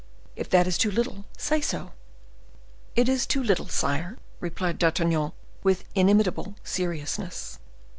If that is too little, say so." "It is too little, sire," replied D'Artagnan, with inimitable seriousness.